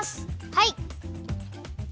はい！